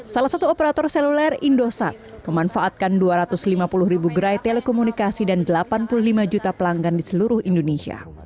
salah satu operator seluler indosat memanfaatkan dua ratus lima puluh ribu gerai telekomunikasi dan delapan puluh lima juta pelanggan di seluruh indonesia